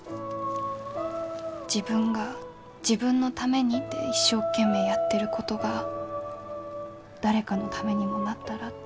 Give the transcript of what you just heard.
自分が自分のためにって一生懸命やってることが誰かのためにもなったらって。